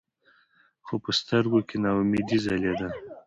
خو پۀ سترګو کښې ناامېدې ځلېده ـ